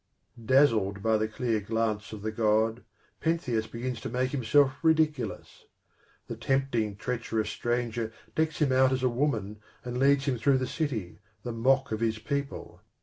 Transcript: Dazzled by the clear glance of the god, Pentheus begins to make himself ridiculous. The tempting, treacherous stranger decks him out as a woman and leads him through the city, the mock of his people.